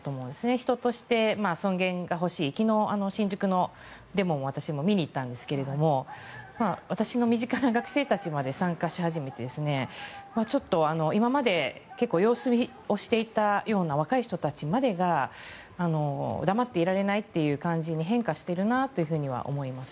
人として尊厳が欲しい昨日、新宿のデモを私も見に行ったんですが私の身近な学生たちまで参加し始めてちょっと今まで結構様子見をしていたような若い人たちまでが黙っていられないという感じに変化しているなとは思います。